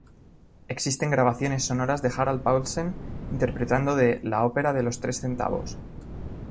Existen grabaciones sonoras de Harald Paulsen interpretando de "La ópera de los tres centavos".